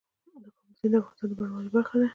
د کابل سیند د افغانستان د بڼوالۍ برخه ده.